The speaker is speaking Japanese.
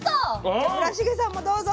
じゃあ村重さんもどうぞ。